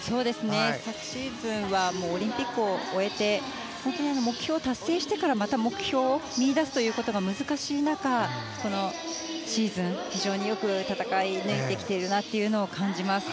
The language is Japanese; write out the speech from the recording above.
昨シーズンはオリンピックを終えて目標を達成してからまた目標を見いだすことが難しい中、このシーズン非常によく戦い抜いてきているなと感じます。